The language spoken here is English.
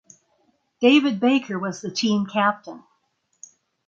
David Baker was the team captain.